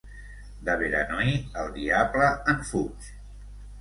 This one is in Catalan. De Beranui, el diable en fuig.